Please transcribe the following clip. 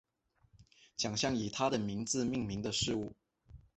奖项以他的名字命名的事物